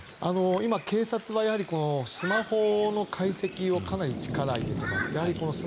今、警察はスマホの解析をかなり力を入れています。